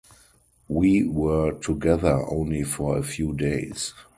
We were together only for a few days.